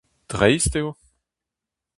Dreist eo !